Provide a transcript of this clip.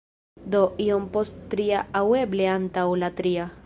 Do, iom post tria aŭ eble antaŭ la tria